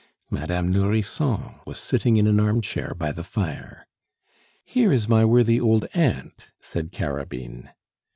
Madame Nourrisson was sitting in an armchair by the fire. "Here is my worthy old aunt," said Carabine.